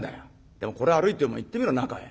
でもこれ歩いてお前行ってみろなかへ。